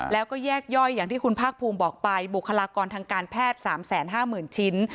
แล้วก็แยกย่อยอย่างที่คุณภาคภูมิบอกไปบุคลากรทางการแพทย์๓๕๐๐๐ชิ้น